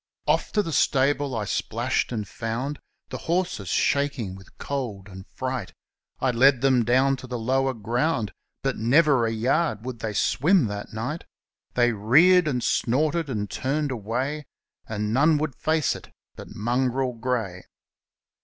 Off to the stable I splashed, and found The horses shaking with cold and fright; I led them down to the lower ground. But never a yard would they swim that night! They reared and snorted and turned away. And none would face it but Mongrel Grey.